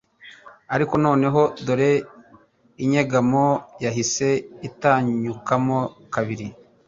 Ariko noneho dore inyegamo yahise itanyukamo kabiri.